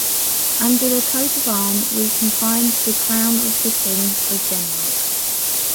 Under the coat of arm, we can find the crown of the Kings of Denmark.